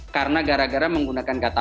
karena gara gara menggunakan kata